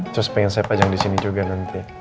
terus pengen saya pajang disini juga nanti